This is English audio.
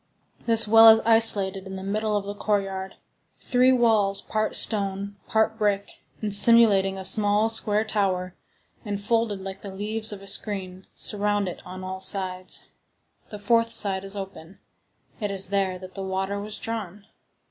This well is isolated in the middle of the courtyard. Three walls, part stone, part brick, and simulating a small, square tower, and folded like the leaves of a screen, surround it on all sides. The fourth side is open. It is there that the water was drawn.